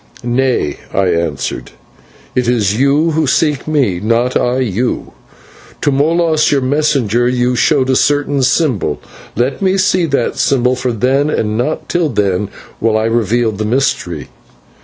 "Nay," I answered, "it is you who seek me, not I you. To Molas, your messenger, you showed a certain symbol; let me see that symbol, for then and not till then will I reveal the mystery."